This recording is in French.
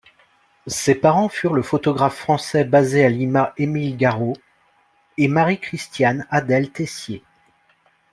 Ses parents furent le photographe français basé à Lima, Émile Garreaud et Marie-Christiane-Adèle Tessier.